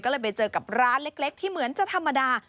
ก็เลยไปเจอกับร้านเล็กที่เหมือนจะธรรมดา